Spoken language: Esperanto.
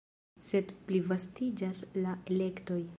Sed plivastiĝas la elektoj.